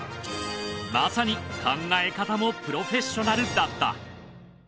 まさに考え方もプロフェッショナルだった。